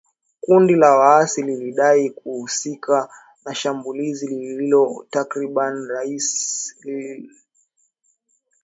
Kundi la waasi lilidai kuhusika na shambulizi lililoua takribani raia kumi na tano katika kijiji kimoja kaskazini-mashariki mwa Jamhuri ya Kidemokrasia ya Kongo.